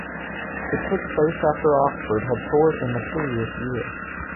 It took place after Oxford had toured in the previous year.